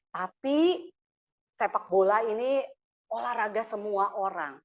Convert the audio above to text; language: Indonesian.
tapi sepak bola ini olahraga semua orang